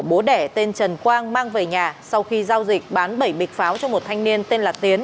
bố đẻ tên trần quang mang về nhà sau khi giao dịch bán bảy bịch pháo cho một thanh niên tên là tiến